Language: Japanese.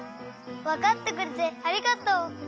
わかってくれてありがとう！